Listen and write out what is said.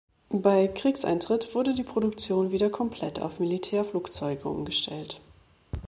Bei Kriegseintritt wurde die Produktion wieder komplett auf Militärflugzeuge umgestellt.